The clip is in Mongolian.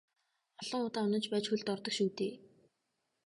Олон удаа унаж байж хөлд ордог шүү дээ.